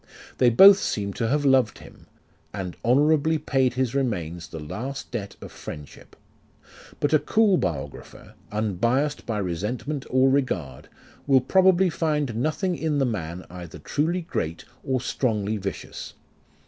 They both seem to have loved him, and honourably paid his remains the last debt of friend ship. But a cool biographer, unbiassed by resentment or regard, will probably find nothing in the man either truly great, or strongly vicious.